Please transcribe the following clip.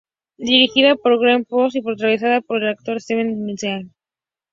Dirigida por Geoff Murphy y protagonizada por el actor Steven Seagal.